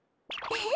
えっ！？